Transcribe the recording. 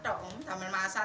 untuk menggulangi sambil masak